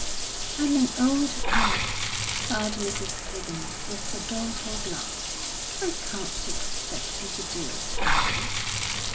"I'm an old woman," sighed Mrs. Clibborn, with a doleful glance. "I can't expect him to do it for me."